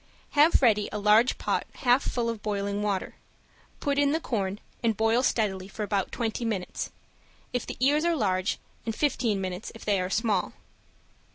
Have ready a large pot half full of boiling water, put in the corn and boil steadily for about twenty minutes, if the ears are large, and fifteen minutes if they are small.